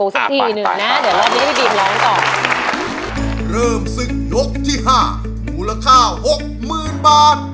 สี่หมื่นบาทครับ